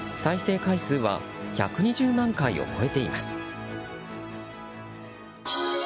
再生回数は１２０万回を超えています。